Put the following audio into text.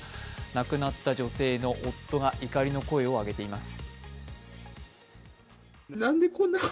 亡くなった女性の夫が怒りの声を上げています。